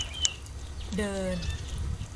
เดิน